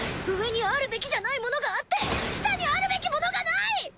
上にあるべきじゃないものがあって下にあるべきものがない！